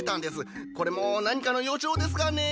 これも何かの予兆ですかね？